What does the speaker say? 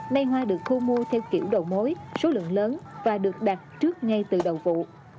nay hoa được thu mua theo kiểu đầu mối số lượng lớn và được đặt trước ngay từ đầu vụ